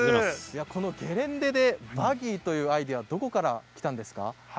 ゲレンデでバギーというアイデアどこからきたんですか？